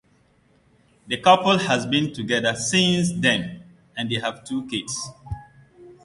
The couple has been together since then and they have two kids.